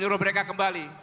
menurut mereka kembali